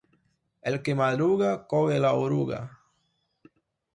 El que madruga coge la oruga.